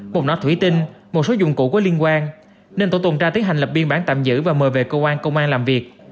một nọ thủy tinh một số dụng cụ có liên quan nên tổ tuần tra tiến hành lập biên bản tạm giữ và mời về cơ quan công an làm việc